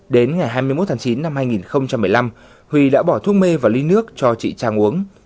đến ngày hai mươi một tháng chín năm hai nghìn một mươi năm huy đã bỏ thuốc mê và ly nước cho chị trang uống